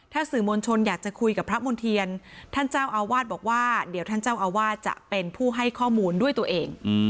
ถ้าสื่อมวลชนอยากจะคุยกับพระมณ์เทียนท่านเจ้าอาวาสบอกว่าเดี๋ยวท่านเจ้าอาวาสจะเป็นผู้ให้ข้อมูลด้วยตัวเอง